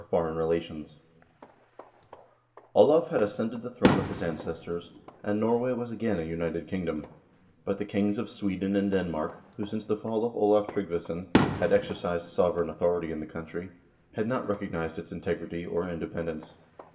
Foreign Relations Olav had ascended the throne of his ancestors, and Norway was again a united kingdom; but the kings of Sweden and Denmark, who, since the fall of Olav Tryggvason, had exercised sovereign authority in the country, had not recognized its integrity, or inde pendence.